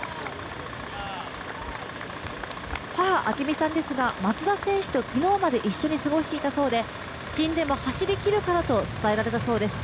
明美さんですが、松田選手と昨日まで一緒に過ごしていたそうで「死んでも走りきるから」と伝えられたそうです。